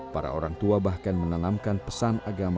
para orang tua bahkan menanamkan pesan agama